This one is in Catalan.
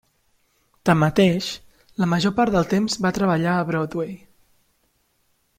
Tanmateix, la major part del temps va treballar a Broadway.